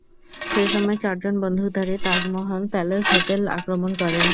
সেসময় চারজন বন্দুকধারী তাজ মহল প্যালেস হোটেল আক্রমণ করে।